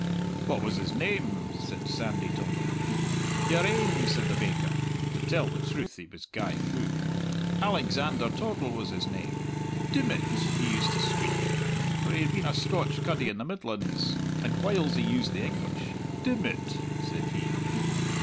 "What was his name?" said Sandy Toddle. "Your ain," said the baker. (To tell the truth, he was gey fou.) "Alexander Toddle was his name: 'Dim it!' he used to squeak, for he had been a Scotch cuddy in the Midlands, and whiles he used the English. 'Dim it!' said he.